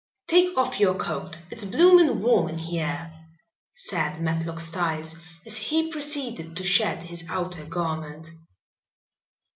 "Take off your coat, it's bloomin' warm in here," said Matlock Styles, as he proceeded to shed his outer garment.